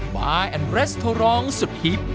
บาร์แอนด์เรสโทรลองสุดฮิป